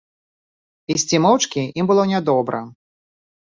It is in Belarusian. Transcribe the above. Ісці моўчкі ім было нядобра.